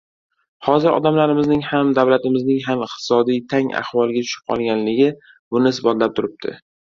Hozir odamlarimizning ham, davlatimizning ham iqtisodiy tang ahvolga tushib qolganligi buni isbotlab turibdi.